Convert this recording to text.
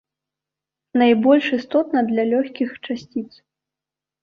Найбольш істотна для лёгкіх часціц.